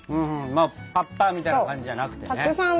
パッパみたいな感じじゃなくてね。